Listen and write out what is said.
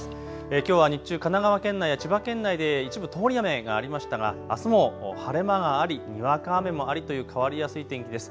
きょうは日中神奈川県内や千葉県内で一部通り雨がありましたがあすも晴れ間があり、にわか雨もありという変わりやすい天気です。